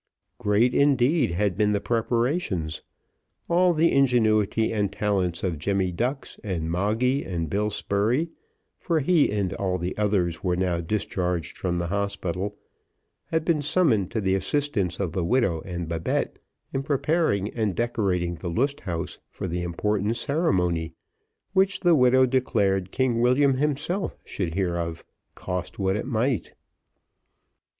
Great, indeed, had been the preparations; all the ingenuity and talent of Jemmy Ducks, and Moggy, and Bill Spurey, for he and all the others were now discharged from the hospital, had been summoned to the assistance of the widow and Babette, in preparing and decorating the Lust Haus for the important ceremony, which the widow declared King William himself should hear of, cost what it might.